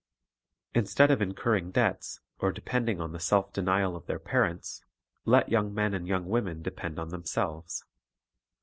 Instead of incurring debts, or depend ing on the self denial of their parents, let young men and young women depend on. themselves.